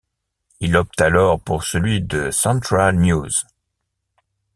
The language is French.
Il opte alors pour celui de Central News.